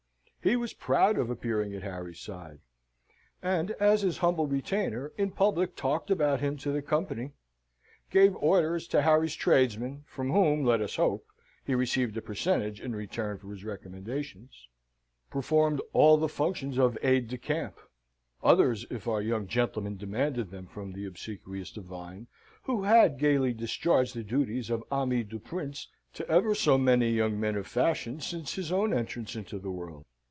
He was proud of appearing at Harry's side, and as his humble retainer, in public talked about him to the company, gave orders to Harry's tradesmen, from whom, let us hope, he received a percentage in return for his recommendations, performed all the functions of aide de camp others, if our young gentleman demanded them from the obsequious divine, who had gaily discharged the duties of ami du prince to ever so many young men of fashion, since his own entrance into the world.